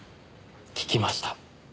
聞きました。